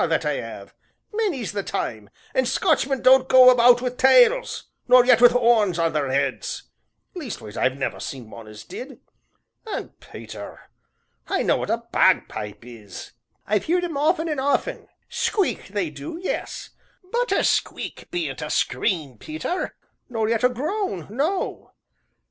that I 'ave, many's the time, an' Scotchmen don't go about wi' tails, nor yet wi' 'orns on their 'eads leastways I've never seen one as did. An', Peter, I know what a bagpipe is; I've heerd 'em often an' often squeak they do, yes, but a squeak bean't a scream, Peter, nor yet a groan no."